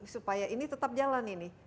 supaya ini tetap jalan ini